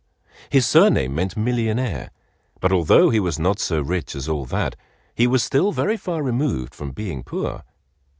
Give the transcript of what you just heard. His surname meant "Millionaire," but although he was not so rich as all that, he was still very far removed from being poor.